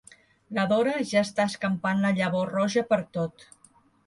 La Dora ja està escampant la llavor roja pertot.